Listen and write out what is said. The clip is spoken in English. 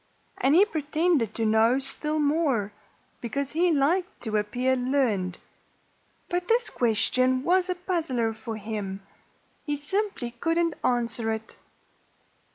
And he pretended to know still more, because he liked to appear learned. But this question was a puzzler for him. He simply couldn't answer it.